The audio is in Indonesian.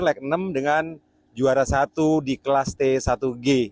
leg enam dengan juara satu di kelas t satu g